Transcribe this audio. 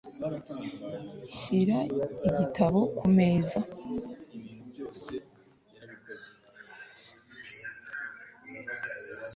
Shira igitabo ku meza